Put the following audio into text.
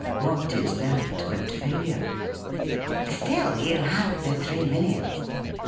What is that but failure ?'' Still, you have the three millions.'